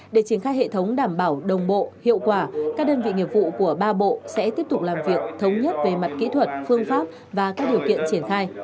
để triển khai hệ thống đảm bảo đồng bộ hiệu quả các đơn vị nghiệp vụ của ba bộ sẽ tiếp tục làm việc thống nhất về mặt kỹ thuật phương pháp và các điều kiện triển khai